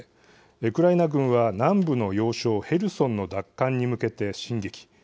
ウクライナ軍は南部の要衝ヘルソンの奪還に向けて進撃。